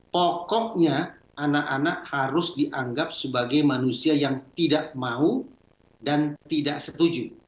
pokoknya anak anak harus dianggap sebagai manusia yang tidak mau dan tidak setuju